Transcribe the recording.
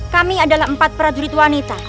kami adalah empat prajurit wanita